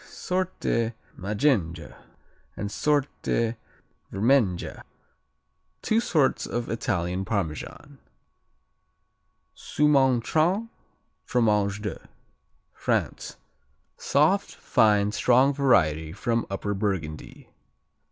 Sorte Maggenga and Sorte Vermenga Two "sorts" of Italian Parmesan. Soumaintrain, Fromage de France Soft; fine; strong variety from Upper Burgundy.